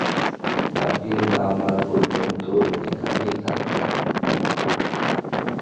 তাকে না মারা পর্যন্ত এখানেই থাকবে।